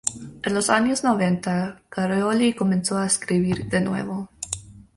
En los años noventa Károly comenzó a escribir de nuevo.